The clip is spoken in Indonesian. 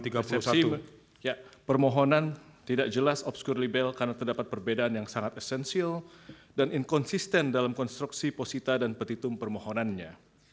tiga opsi permohonan tidak jelas obscur libel karena terdapat perbedaan yang sangat esensial dan inkonsisten dalam konstruksi posita dan petitum permohonannya